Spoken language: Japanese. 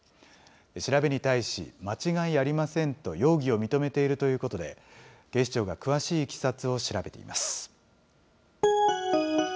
調べに対し間違いありませんと容疑を認めているということで、警視庁が詳しいいきさつを調べています。